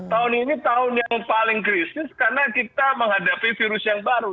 tahun ini tahun yang paling krisis karena kita menghadapi virus yang baru